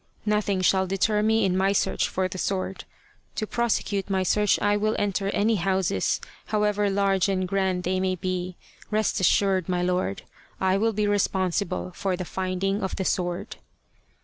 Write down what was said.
Nothing shall deter me in my search for the sword. To prosecute my search I will enter any houses, however large and grand they may be. Rest assured, my lord. I will be responsible for the rinding of the sword."